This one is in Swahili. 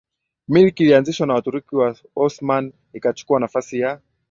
Milki ilianzishwa na Waturuki Waosmani ikachukua nafasi ya